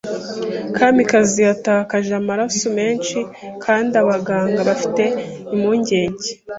Kamikazi yatakaje amaraso menshi kandi abaganga bafite impungenge.